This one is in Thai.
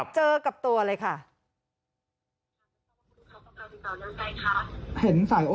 เจอกับตัวเลยค่ะ